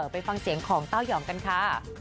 ไปฟังเสียงของเต้ายองกันค่ะ